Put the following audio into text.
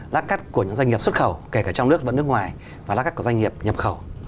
lát cắt của những doanh nghiệp xuất khẩu kể cả trong nước và nước ngoài và lát cắt của doanh nghiệp nhập khẩu